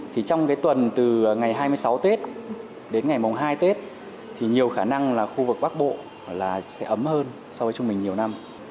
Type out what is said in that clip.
trong tuần từ ngày hai mươi sáu tết đến ngày hai tết nhiều khả năng là khu vực bắc bộ sẽ ấm hơn so với chúng mình nhiều năm